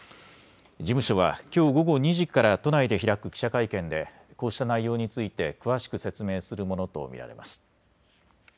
事務所はきょう午後２時から都内で開く記者会見でこうした内容について詳しく説明するものと見られます。